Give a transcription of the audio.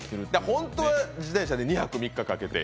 本当は自転車で２泊３日かけて。